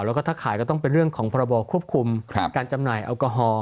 แล้วก็ถ้าขายก็ต้องเป็นเรื่องของพรบควบคุมการจำหน่ายแอลกอฮอล